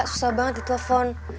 susah banget di telepon